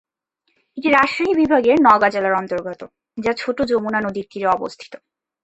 এটি রাজশাহী বিভাগের নওগাঁ জেলার অন্তর্গত, যা ছোট যমুনা নদীর তীরে অবস্থিত।